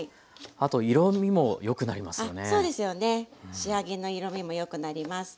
仕上げの色みもよくなります。